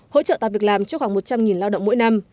hỗ trợ tạo việc làm cho khoảng một trăm linh lao động mỗi năm